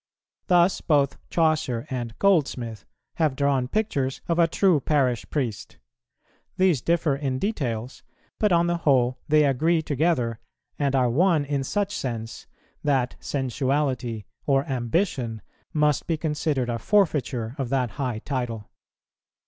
Thus both Chaucer and Goldsmith have drawn pictures of a true parish priest; these differ in details, but on the whole they agree together, and are one in such sense, that sensuality, or ambition, must be considered a forfeiture of that high title.